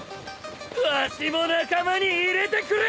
わしも仲間に入れてくれ！